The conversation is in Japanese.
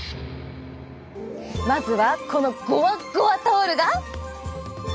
まずはこのゴワゴワタオルが。